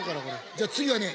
じゃあ次はね